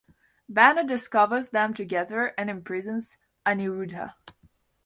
Bana discovers them together and imprisons Aniruddha.